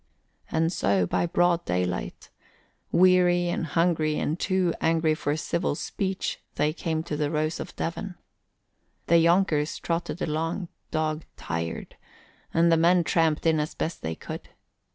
And so, by broad daylight, weary and hungry and too angry for civil speech, they came to the Rose of Devon. The younkers trotted along, dog tired, and the men tramped in as best they could.